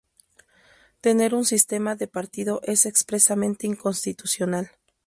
Tener un sistema de un partido es expresamente inconstitucional.